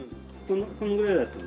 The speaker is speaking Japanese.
このぐらいだったね。